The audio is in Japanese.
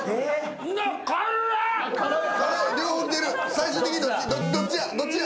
最終的にどっちや？